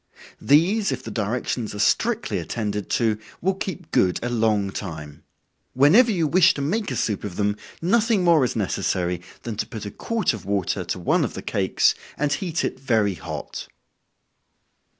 These, if the directions are strictly attended to, will keep good a long time. Whenever you wish to make a soup of them, nothing more is necessary, than to put a quart of water to one of the cakes, and heat it very hot.